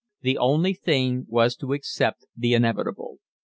The only thing was to accept the inevitable.